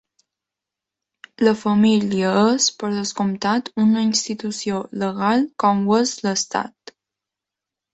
La família és, per descomptat, una institució legal com ho és l'Estat.